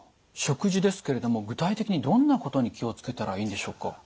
食事ですけれども具体的にどんなことに気を付けたらいいんでしょうか？